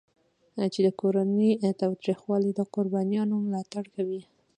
چې د کورني تاوتریخوالي د قربانیانو ملاتړ کوي.